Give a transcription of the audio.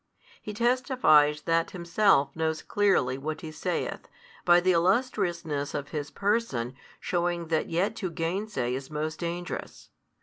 He testifies that Himself knows clearly what He saith, by the illustriousness of His Person shewing that yet to gainsay is most dangerous.